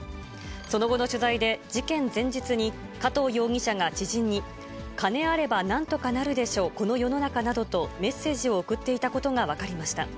その後の取材で、事件前日に加藤容疑者が知人に、金あればなんとかなるでしょ、この世の中などとメッセージを送っていたことが分かりました。